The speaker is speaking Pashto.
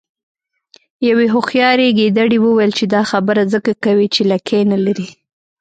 یوې هوښیارې ګیدړې وویل چې دا خبره ځکه کوې چې لکۍ نلرې.